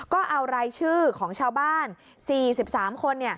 ก็เอารายชื่อของชาวบ้าน๔๓คน